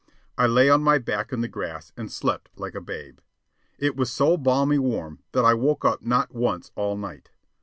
I lay on my back in the grass and slept like a babe. It was so balmy warm that I woke up not once all night.